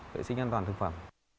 vệ sinh an toàn thực phẩm